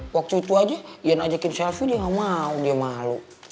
waktu itu aja ian ajakin selfie dia gak mau dia malu